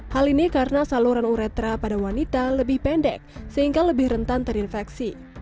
hal ini karena saluran uretra pada wanita lebih pendek sehingga lebih rentan terinfeksi